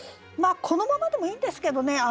このままでもいいんですけどね